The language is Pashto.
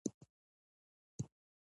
د کوم کلي يې.